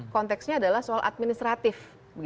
konteksnya adalah soal administratif